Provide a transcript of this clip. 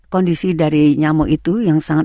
kondisi dari nyamuk itu yang sangat